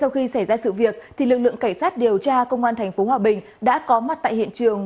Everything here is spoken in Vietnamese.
sau khi xảy ra sự việc lực lượng cảnh sát điều tra công an tp hòa bình đã có mặt tại hiện trường